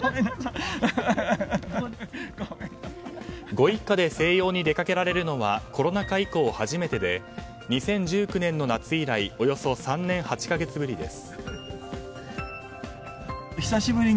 ご一家で静養に出かけられるのはコロナ禍以降初めてで２０１９年の夏以来およそ３年８か月ぶりです。